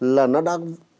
là nó đã